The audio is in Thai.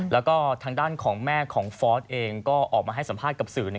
แล้วก็ทางด้านของแม่ของฟอสเองก็ออกมาให้สัมภาษณ์กับสื่อ